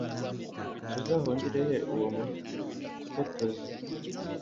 tuzahungira he uwo muhotozi